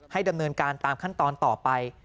ดำเนินการตามขั้นตอนต่อไป